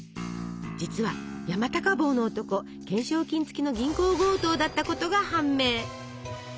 実は山高帽の男懸賞金付きの銀行強盗だったことが判明。